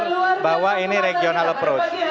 iya benar bahwa ini regional approach